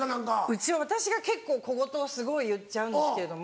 うちは私が結構小言をすごい言っちゃうんですけれども。